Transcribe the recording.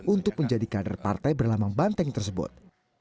untuk menjadi kader partai berlamang banteng tersebut